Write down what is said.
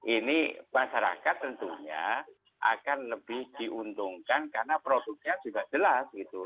ini masyarakat tentunya akan lebih diuntungkan karena produknya juga jelas gitu